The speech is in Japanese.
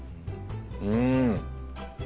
うん！